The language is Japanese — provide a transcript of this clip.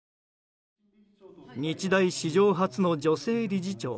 日大史上初の女性理事長。